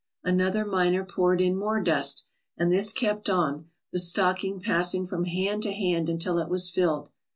Another miner poured in more dust, and this kept on, the stocking passing from hand to hand until it was filled.